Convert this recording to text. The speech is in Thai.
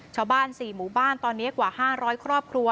ชาวบ้าน๔หมู่บ้านตอนนี้กว่า๕๐๐ครอบครัว